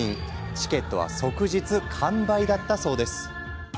チケットは即日完売だったそうです。